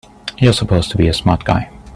You're supposed to be a smart guy!